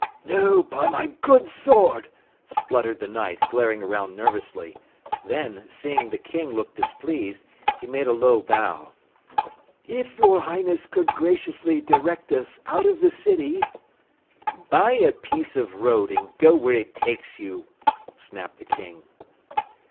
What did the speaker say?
"No, by my good sword!" spluttered the Knight, glaring around nervously. Then, seeing the King looked displeased, he made a low bow. "If your Highness could graciously direct us out of the city " "Buy a piece of road and go where it takes you," snapped the King.